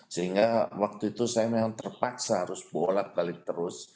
sehingga waktu itu saya memang terpaksa harus bolak balik terus